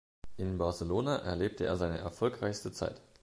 In Barcelona erlebte er seine erfolgreichste Zeit.